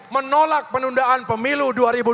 menolak penundaan pemilu dua ribu dua puluh